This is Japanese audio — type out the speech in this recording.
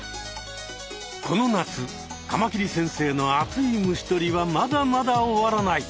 この夏カマキリ先生の熱い虫とりはまだまだ終わらない。